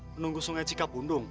menunggu sungai cikapundung